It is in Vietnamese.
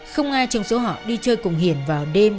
không ai chứng số họ đi chơi cùng hiền vào đêm